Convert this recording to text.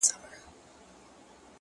ما دی درکړی خپل زړه تاته امانت شېرينې;